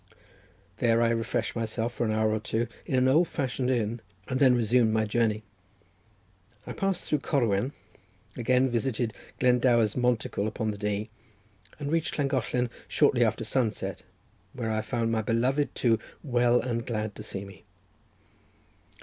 There I refreshed myself for an hour or two in an old fashioned inn, and then resumed my journey. I passed through Corwen; again visited Glendower's monticle upon the Dee, and reached Llangollen shortly after sunset, where I found my beloved two well and glad to see me.